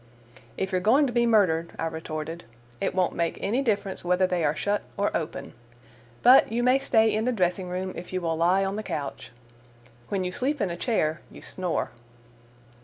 "If you're going to be murdered," I retorted, "it won't make any difference whether they are shut or open. But you may stay in the dressing room, if you will lie on the couch: when you sleep in a chair you snore."